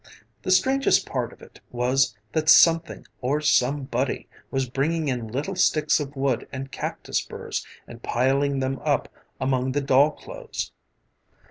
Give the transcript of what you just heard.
The strangest part of it was that something or somebody was bringing in little sticks of wood and cactus burrs and piling them up among the doll clothes.